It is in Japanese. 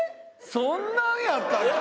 そんなんやったっけ。